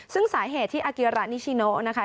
ซึ่งสาเหตุที่อาเกียระนิชิโนนะคะ